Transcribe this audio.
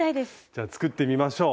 じゃあ作ってみましょう。